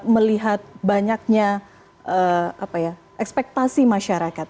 melihat banyaknya ekspektasi masyarakat